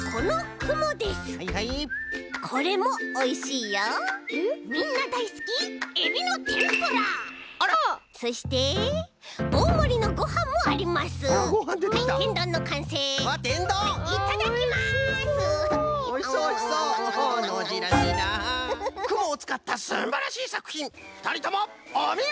くもをつかったすばらしいさくひんふたりともおみごとじゃ！